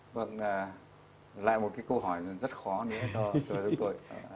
vâng lại một câu hỏi rất khó cho chúng tôi